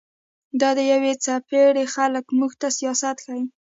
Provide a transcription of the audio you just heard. دا د يوې څپېړي خلق موږ ته سياست ښيي